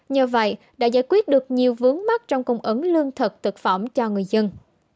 nhờ vậy đã giải quyết được nhiều vướng mắt trong cung ứng lương thực thực phẩm cho người dân